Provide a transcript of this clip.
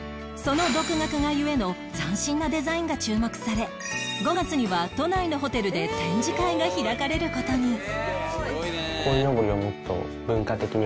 その独学がゆえの斬新なデザインが注目され５月には都内のホテルで展示会が開かれる事に